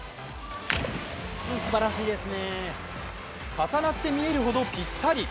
重なって見えるほど、ぴったり。